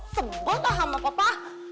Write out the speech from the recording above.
seboh paham apa pa